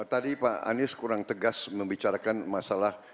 tadi pak anies kurang tegas membicarakan masalah